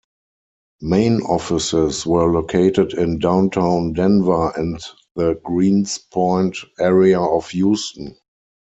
Main offices were located in downtown Denver and the Greenspoint area of Houston.